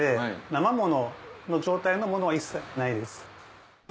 生ものの状態のものは一切ないです。